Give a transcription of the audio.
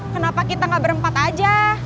kenapa kita gak berempat aja